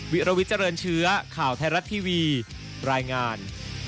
วิรวิทเจริญเชื้อข่าวไทยรัฐทีวีรายงาน